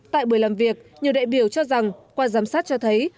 tại buổi làm việc nhiều đại biểu cho rằng qua giám sát cho thấy